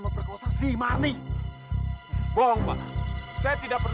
enak gak ch bryan